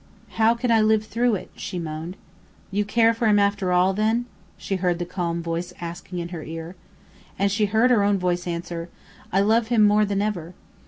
"How can I live through it?" she moaned. "You care for him after all, then?" she heard the calm voice asking in her ear. And she heard her own voice answer: "I love him more than ever."